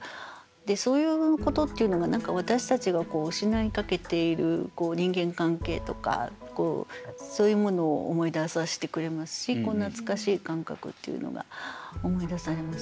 そういうことっていうのが私たちが失いかけている人間関係とかそういうものを思い出させてくれますし懐かしい感覚っていうのが思い出されます。